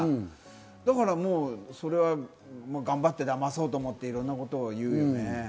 何のアレもないから、頑張ってだまそうと思って、いろんなことを言うよね。